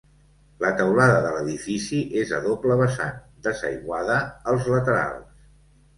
La teulada de l'edifici és a doble vessant, desaiguada als laterals.